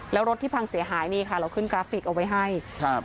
แล้วรถที่พังเสียหายนี่ค่ะเราขึ้นกราฟิกเอาไว้ให้ครับ